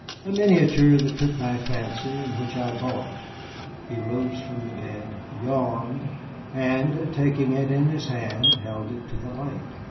"A miniature that took my fancy, and which I bought." He rose from the bed, yawned, and taking it in his hand, held it to the light.